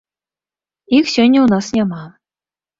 Іх сёння ў нас няма.